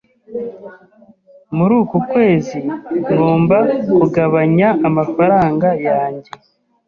Muri uku kwezi ngomba kugabanya amafaranga yanjye.